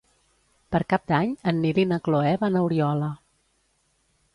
Per Cap d'Any en Nil i na Cloè van a Oriola.